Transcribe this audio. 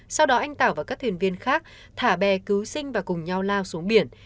sau đó anh tảo và các thuyền viên khác thả bè cứu sinh và cùng nhau lao xuống biển